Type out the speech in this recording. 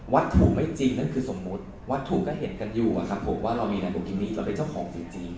ถูกไม่จริงนั่นคือสมมุติวัตถุก็เห็นกันอยู่อะครับผมว่าเรามีนายบุญที่มีเราเป็นเจ้าของจริง